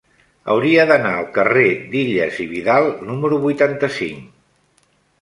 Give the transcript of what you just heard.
Hauria d'anar al carrer d'Illas i Vidal número vuitanta-cinc.